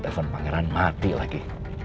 telepon pangeran mati lagi